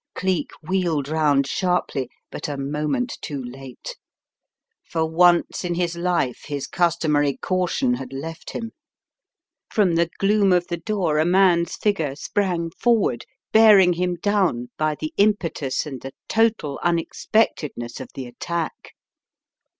Cleek wheeled round sharply, but a moment too late. For once in his life his customary caution had left him. From the gloom of the door a man's figure sprang forward, bearing him down by the impetus and the total unexpectedness of the attack.